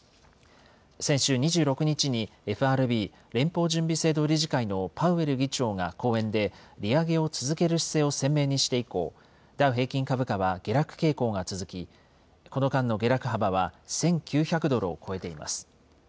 先週２６日にＦＲＢ・連邦準備制度理事会のパウエル議長が講演で、利上げを続ける姿勢を鮮明にして以降、ダウ平均株価は下落傾向が続き、この間の下落幅は１９００ドルを超えています。